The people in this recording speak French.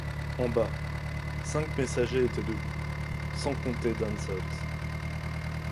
En bas, cinq messagers étaient debout, sans compter Dansaert.